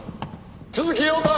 都築耀太。